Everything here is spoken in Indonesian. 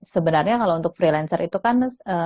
sebenarnya kalau untuk freelancer itu kan